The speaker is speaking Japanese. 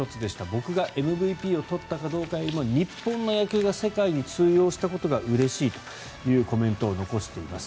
僕がＭＶＰを取ったかどうかよりも日本の野球が世界に通用したことがうれしいというコメントを残しています。